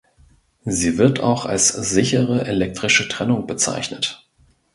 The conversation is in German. Sie wird auch als sichere elektrische Trennung bezeichnet.